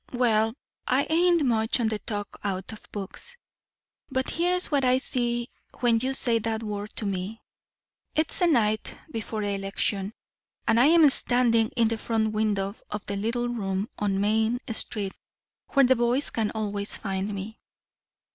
"Well, I ain't much on the talk out of books. But here's what I see when you say that word to me. It's the night before election, and I'm standing in the front window of the little room on Main Street where the boys can always find me.